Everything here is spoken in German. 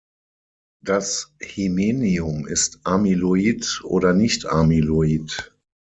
Das Hymenium ist amyloid oder nicht-amyloid.